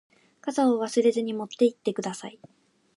傘を忘れずに持って行ってください。